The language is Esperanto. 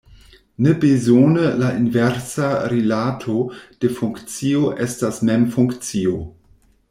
Ne bezone la inversa rilato de funkcio estas mem funkcio.